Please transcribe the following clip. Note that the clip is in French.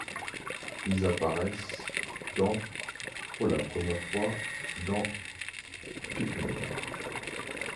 Ils apparaissent dans pour la première fois dans Pikmin.